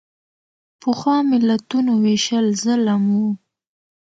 پخوا ملتونو وېشل ظلم و.